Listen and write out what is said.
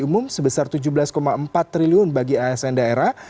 umum sebesar tujuh belas empat triliun bagi asn daerah